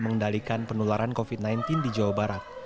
mengendalikan penularan covid sembilan belas di jawa barat